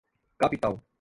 capital